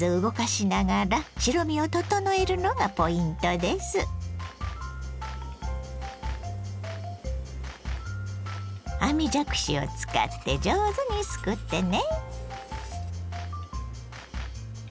絶えず網じゃくしを使って上手にすくってね。